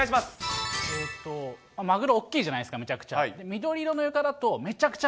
えっと、マグロ大きいじゃないですか、めちゃくちゃ。